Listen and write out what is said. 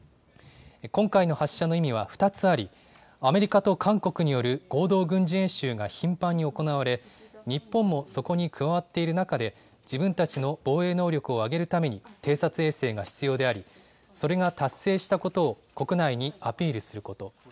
今回の発射の意味は２つあり、アメリカと韓国による合同軍事演習が頻繁に行われ、日本もそこに加わっている中で、自分たちの防衛能力を上げるために、偵察衛星が必要であり、それが達成したことを国内にアピールすること。